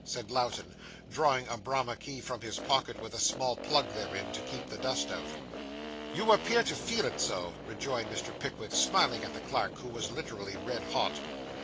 said Lowten, drawing a Bramah key from his pocket, with a small plug therein, to keep the dust out. 'You appear to feel it so,' rejoined Mr. Pickwick, smiling at the clerk, who was literally red hot.